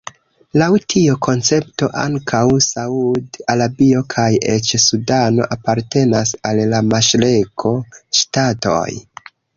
Laŭ tiu koncepto ankaŭ Saud-Arabio kaj eĉ Sudano apartenas al la maŝreko-ŝtatoj.